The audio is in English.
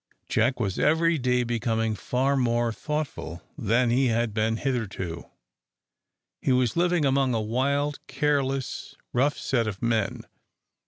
Jack was every day becoming far more thoughtful than he had been hitherto. He was living among a wild, careless, rough set of men.